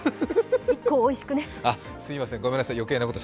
１個をおいしくね。